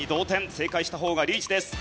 正解した方がリーチです。